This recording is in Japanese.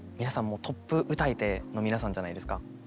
もうトップ歌い手の皆さんじゃないですか。